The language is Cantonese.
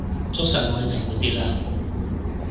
捉實我你就唔會跌啦